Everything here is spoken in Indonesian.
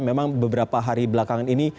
memang beberapa hari belakangan ini